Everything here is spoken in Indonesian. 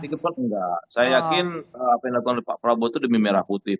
enggak saya yakin apa yang dilakukan oleh pak prabowo itu demi merah putih